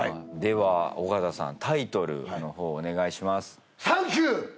では尾形さんタイトルの方お願いします。